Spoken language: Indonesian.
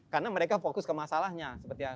karena mereka fokus ke masalahnya seperti yang